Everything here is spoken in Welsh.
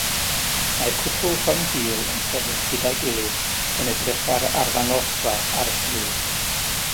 Mae cwpl rhyng-hil yn sefyll gyda'i gilydd yn edrych ar arddangosfa ar y stryd